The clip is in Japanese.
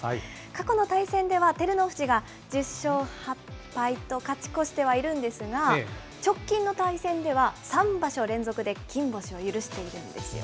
過去の対戦では、照ノ富士が１０勝８敗と勝ち越してはいるんですが、直近の対戦では、３場所連続で金星を許しているんですよ。